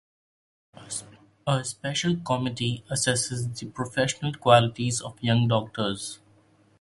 A special committee assesses the professional qualities of young doctors.